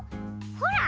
ほら。